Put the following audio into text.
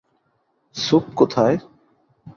Soup কোথায়?